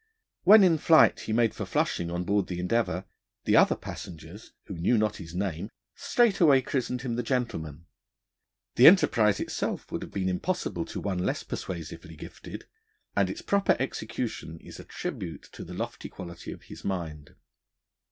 When in flight he made for Flushing on board the Endeavour, the other passengers, who knew not his name, straightway christened him 'the gentleman.' The enterprise itself would have been impossible to one less persuasively gifted, and its proper execution is a tribute to the lofty quality of his mind.